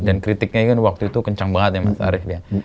dan kritiknya waktu itu kencang banget ya mas arief ya